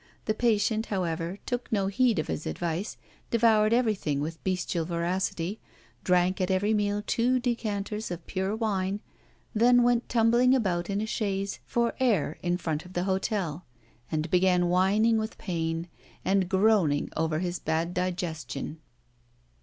The patient, however, took no heed of his advice, devoured everything with bestial voracity, drank at every meal two decanters of pure wine, then went tumbling about in a chaise for air in front of the hotel, and began whining with pain and groaning over his bad digestion.